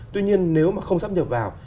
tuy nhiên nếu mà không sắp nhập vào